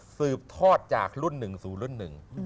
สืบทอดจากรุ่นหนึ่งสู่รุ่นหนึ่ง